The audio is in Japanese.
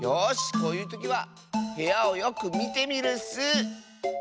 こういうときはへやをよくみてみるッス！